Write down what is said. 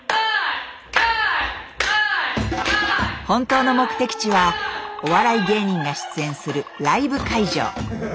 本当の目的地はお笑い芸人が出演するライブ会場。